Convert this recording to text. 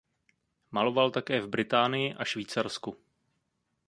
Maloval také v Británii a Švýcarsku.